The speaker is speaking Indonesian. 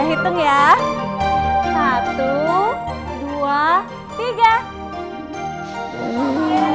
yang lama ya saya hitung ya